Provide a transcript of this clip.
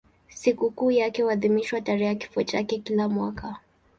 Sikukuu yake huadhimishwa tarehe ya kifo chake kila mwaka.